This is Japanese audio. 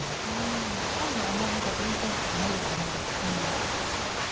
パンの甘みが全然ないですね。